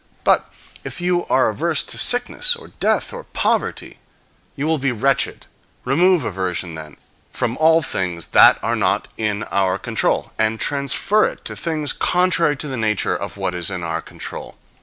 But if you are averse to sickness, or death, or poverty, you will be wretched. Remove aversion, then, from all things that are not in our control, and transfer it to things contrary to the nature of what is in our control.